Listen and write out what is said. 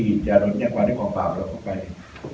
ที่จะรุ่นอย่างกว่าที่ความบาปแล้วความไป